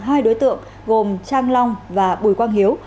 hai đối tượng gồm trang long và bùi quang hiếu